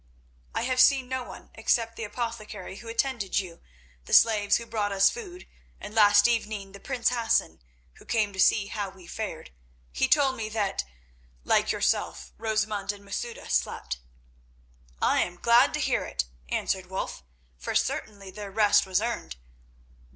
"I have seen no one except the apothecary who tended you, the slaves who brought us food, and last evening the prince Hassan, who came to see how we fared. He told me that, like yourself, Rosamund and Masouda slept." "I am glad to hear it," answered Wulf, "for certainly their rest was earned.